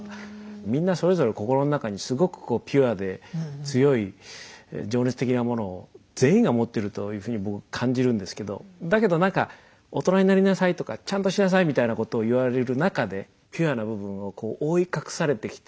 みんなそれぞれ心の中にすごくこうピュアで強い情熱的なものを全員がもってるというふうに僕感じるんですけどだけどなんか大人になりなさいとかちゃんとしなさいみたいなことをいわれる中でピュアな部分をこう覆い隠されてきて。